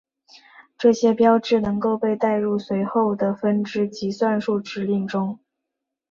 这些标志能够被带入随后的分支及算术指令中。